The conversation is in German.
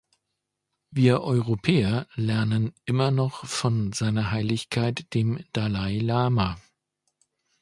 Wir Europäer lernen immer noch von Seiner Heiligkeit dem Dalai Lama.